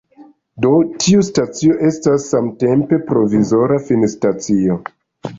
Do, tiu stacio estas samtempe provizora finstacio.